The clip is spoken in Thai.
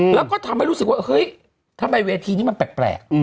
แล้วก็ทำให้รู้สึกว่าเฮ้ยทำไมเวทีนี้มันแปลก